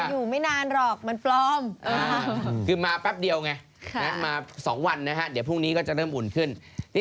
ลมหนาวอยู่ไม่นานหรอกเหมือนปลอม